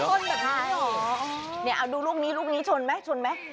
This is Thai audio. มันชนแบบนี้เหรอนี่เอ้าดูลูกนี้ลูกนี้ชนไหมชนไหม